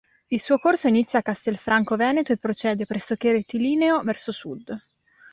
Il suo corso inizia da Castelfranco Veneto e procede, pressoché rettilineo, verso sud.